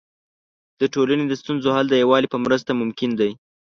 د ټولنې د ستونزو حل د یووالي په مرسته ممکن دی.